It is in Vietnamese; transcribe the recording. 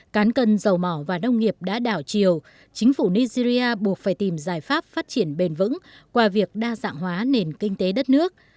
cán cân dầu mỏ và nông nghiệp đã đảo chiều chính phủ nigeria buộc phải tìm giải pháp phát triển bền vững qua việc đa dạng hóa nền kinh tế đất nước